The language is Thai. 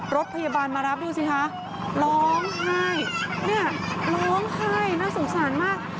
รถพยาบาลมารับดูสิคะร้องไห้น่าสงสารมาก